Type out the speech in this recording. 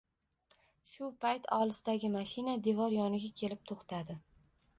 Shu payt olisdagi mashina devor yoniga kelib to‘xtadi.